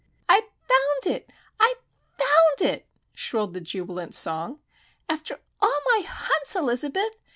"I've found it! I've found it!" shrilled the jubilant song. "After all my hunts, Elizabeth!